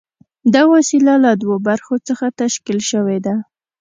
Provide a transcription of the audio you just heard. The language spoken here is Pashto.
دا وسیله له دوو برخو څخه تشکیل شوې ده.